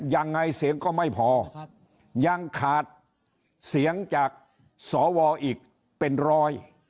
ยังไงเสียงก็ไม่พอยังขาดเสียงจากสวอีกเป็นร้อย